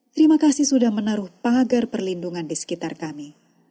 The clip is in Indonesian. terima kasih sudah menaruh pagar perlindungan di sekitar kami